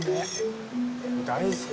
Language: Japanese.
大好き。